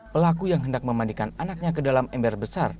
pelaku yang hendak memandikan anaknya ke dalam ember besar